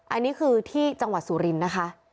อันนี้คือที่จังหวัดสุรินทร์นะคะ